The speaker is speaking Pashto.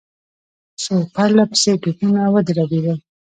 څو پرله پسې توپونه ودربېدل.